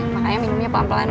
makanya minumnya pelan pelan